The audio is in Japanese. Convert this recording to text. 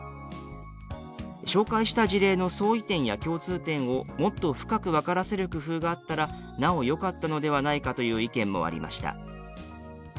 「紹介した事例の相違点や共通点をもっと深く分からせる工夫があったらなおよかったのではないか」という意見もありました。